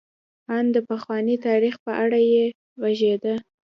ان د پخواني تاریخ په اړه یې غږېده.